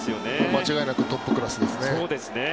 間違いなくトップクラスですね。